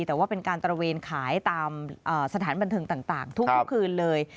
แต่ว่าเป็นการตระเวนขายตามสถานบันเทิงต่างทุกคืนเลย